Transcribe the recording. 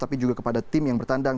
tapi juga kepada tim yang bertandang